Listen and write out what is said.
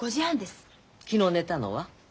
昨日寝たのは？